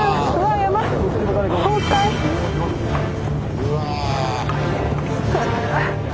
うわ。